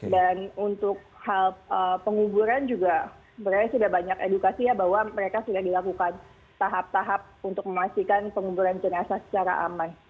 dan untuk hal penguburan juga berarti sudah banyak edukasi ya bahwa mereka sudah dilakukan tahap tahap untuk memastikan penguburan jenazah secara aman